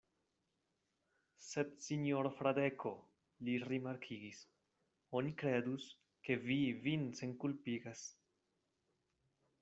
Sed sinjoro Fradeko, li rimarkigis, oni kredus, ke vi vin senkulpigas.